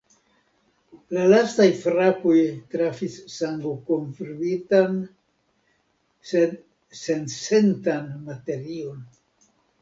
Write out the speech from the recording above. La lastaj frapoj trafis sangokovritan, sed sensentan materion.